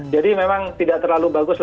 jadi memang tidak terlalu bagus